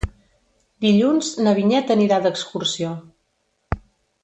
Dilluns na Vinyet anirà d'excursió.